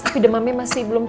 tapi demamnya masih belum